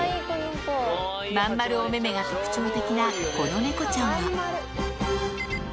真ん丸おめめが特徴的なこの猫ちゃんは。